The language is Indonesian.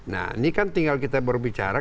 nah ini kan tinggal kita berbicara